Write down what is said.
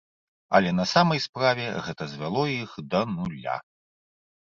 Але на самай справе гэта звяло іх да нуля.